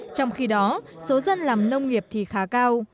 trong khi đó số dân làm nông nghiệp thì khá cao